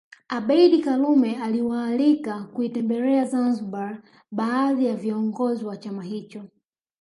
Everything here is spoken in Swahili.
Abeid Karume aliwaalika kuitembelea Zanzibar baadhi ya viongozi wa chama hicho